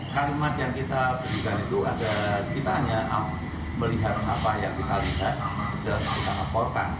kalimat yang kita berikan itu ada kita hanya melihat apa yang kita lihat dan kita laporkan